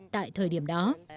tại thời điểm đó